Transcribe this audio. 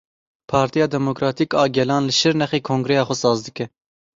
Partiya Demokratîk a Gelan li Şirnexê kongreya xwe saz dike.